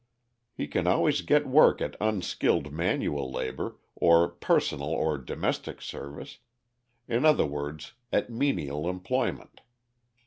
He can always get work at unskilled manual labour, or personal or domestic service in other words, at menial employment.